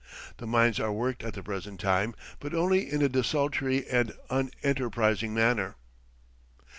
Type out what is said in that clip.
The mines are worked at the present time, but only in a desultory and unenterprising manner.